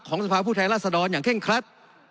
ของสภาพผู้ไทยราษฎรอย่างเคร่งครัด